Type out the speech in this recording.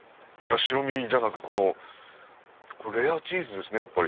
白身じゃなくレアチーズですね。